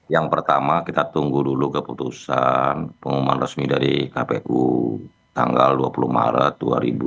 yang pertama kita tunggu dulu keputusan pengumuman resmi dari kpu tanggal dua puluh maret dua ribu dua puluh